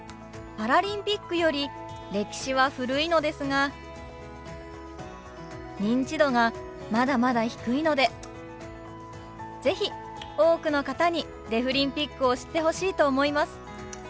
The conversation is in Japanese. パラリンピックより歴史は古いのですが認知度がまだまだ低いので是非多くの方にデフリンピックを知ってほしいと思います。